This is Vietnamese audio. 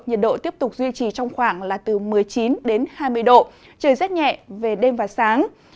nhiệt độ tiếp tục duy trì trong khoảng là từ một mươi chín đến hai mươi độ trời rét nhẹ về đêm và sáng